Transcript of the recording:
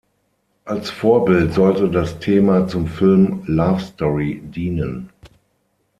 Als Vorbild sollte das Thema zum Film "Love Story" dienen.